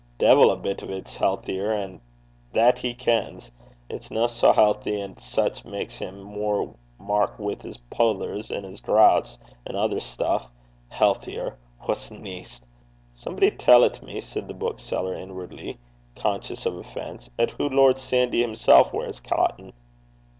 De'il a bit o' 't 's healthier! an' that he kens. It's nae sae healthy, an' sae it mak's him mair wark wi' 's poothers an' his drauchts, an' ither stinkin' stuff. Healthier! What neist?' 'Somebody tellt me,' said the bookseller, inwardly conscious of offence, ''at hoo Lord Sandy himsel' weirs cotton.'